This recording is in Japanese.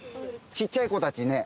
ちっちゃい子たちね